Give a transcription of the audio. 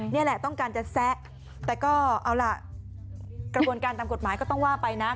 นี่แหละต้องการจะแซะแต่ก็เอาล่ะกระบวนการตามกฎหมายก็ต้องว่าไปนะ